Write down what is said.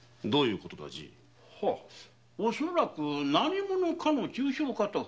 恐らく何者かの中傷かと。